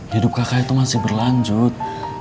hidup kakak itu masih berlanjut